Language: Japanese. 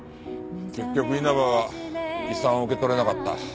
結局稲葉は遺産を受け取れなかった。